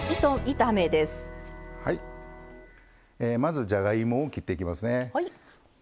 まずじゃがいもを切っていきますね。